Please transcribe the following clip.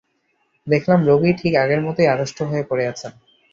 দেখলাম রোগী ঠিক আগের মতোই আড়ষ্ট হয়ে পড়ে আছেন।